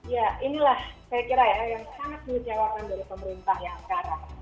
ya inilah saya kira ya yang sangat mengecewakan dari pemerintah yang sekarang